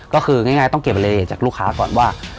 ก็คือง่ายต้องเก็บรายละเอียดจากลูกค้าก่อนว่า